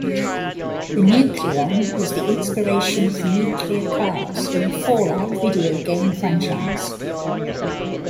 The Nucleon is the inspiration for nuclear cars in the "Fallout" video game franchise.